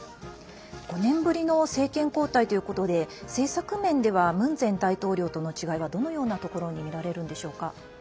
５年ぶりの政権交代ということで政策面ではムン前大統領との違いはどのようなところにみられるんでしょうか？